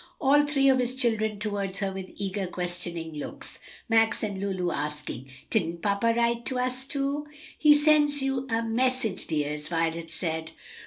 All three of his children turned toward her with eager, questioning looks, Max and Lulu asking, "Didn't papa write to us, too?" "He sends you a message, dears," Violet said.